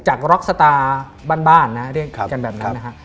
จากรอคสตาบ้านนะนะฮะเดี๋ยวกันแบบนั้นนะฮะ